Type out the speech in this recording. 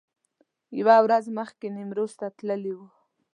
یوه ورځ مخکې نیمروز ته تللي و.